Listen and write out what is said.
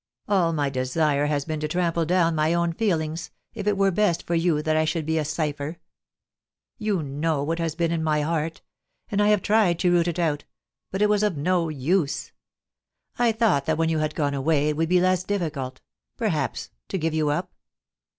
All my desire has been to trample down my own feelings, if it were best for you that I should be a cipher. ... You know what has been in my heart — and I have tried to root it out, but it was of no use. I thought that when you had gone away it would be less difficult, per haps, to give you up.